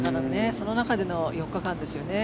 その中での４日間ですよね。